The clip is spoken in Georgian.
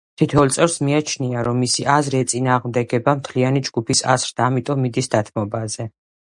თითოეულ წევრს მიაჩნია, რომ მისი აზრი ეწინააღმდეგება მთლიანი ჯგუფის აზრს და ამიტომ მიდის დათმობაზე.